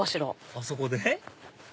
あそこで？